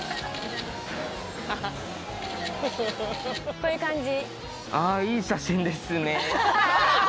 こういう感じ。